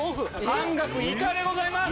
半額以下でございます。